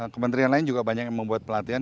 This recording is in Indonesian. kementerian lain juga banyak yang membuat pelatihan